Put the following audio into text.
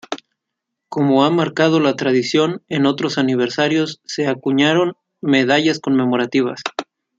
Como ha marcado la tradición en otros aniversarios, se acuñaron medallas conmemorativas.